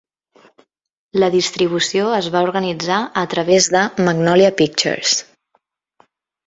La distribució es va organitzar a través de Magnolia Pictures.